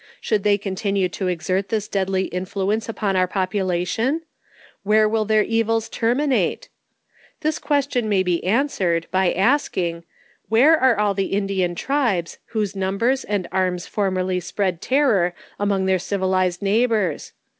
Should they continue to exert this deadly influence upon our population, where will their evils terminate ? This question may be answered, by asking, where are all the Indian tribes, whose numbers and arms formerly spread terror among their civilized neighbours